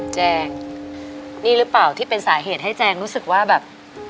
แจงนี่หรือเปล่าที่เป็นสาเหตุให้แจงรู้สึกว่าแบบ